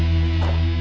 oke sampai jumpa